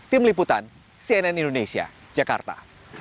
tim liputan cnn indonesia jakarta